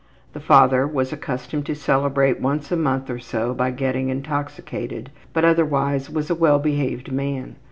The father was accustomed to celebrate once a month or so by getting intoxicated, but otherwise was a well behaved man.